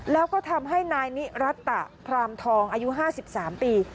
แล้วก็ทำให้นายนิรัตตะพรามทองอายุ๕๓ปี